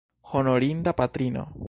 Honorinda patrino!